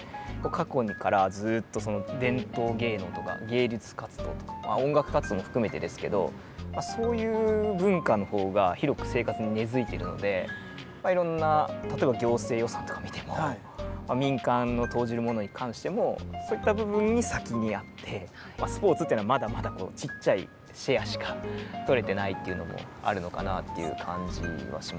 過去からずっと伝統芸能とか芸術活動とか音楽活動も含めてですけどそういう文化の方が広く生活に根づいているのでまあいろんな例えば行政予算とか見ても民間の投じるものに関してもそういった部分に先にやってスポーツっていうのはまだまだちっちゃいシェアしか取れてないっていうのもあるのかなっていう感じはしますよね。